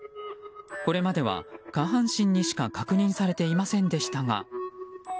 これまでは、下半身にしか確認されていませんでしたが。